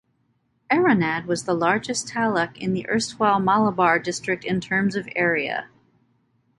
Eranad was the largest Taluk in the erstwhile Malabar District in terms of area.